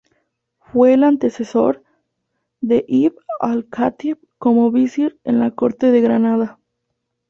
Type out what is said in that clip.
Fue el antecesor de Ibn al-Khatib como visir en la corte de Granada.